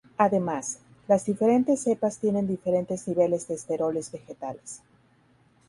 Además, las diferentes cepas tienen diferentes niveles de esteroles vegetales.